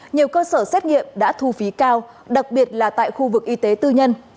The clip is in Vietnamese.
nhiều cơ sở xét nghiệm đã thu phí cao đặc biệt là tại khu vực y tế tư nhân